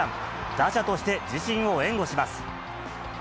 打者として自身を援護します。